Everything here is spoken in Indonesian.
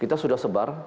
kita sudah sebar